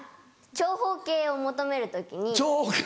「長方形を求める時」